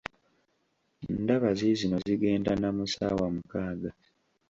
Ndaba ziizino zigenda na mu ssaawa mukaaga.